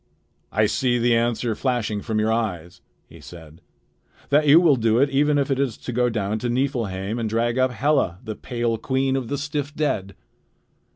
"I see the answer flashing from your eyes," he said, "that you will do it even if it is to go down to Niflheim and drag up Hela, the pale queen of the stiff dead."